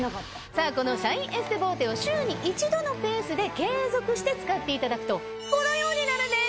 さぁこのシャインエステボーテを週に１度のペースで継続して使っていただくとこのようになるんです！